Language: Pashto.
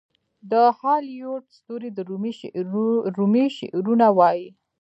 د هالیووډ ستوري د رومي شعرونه وايي.